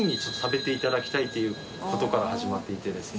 という事から始まっていてですね